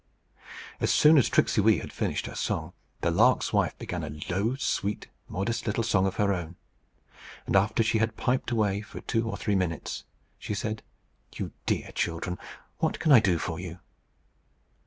As soon as Tricksey Wee had finished her song, the lark's wife began a low, sweet, modest little song of her own; and after she had piped away for two or three minutes, she said, "You dear children, what can I do for you?"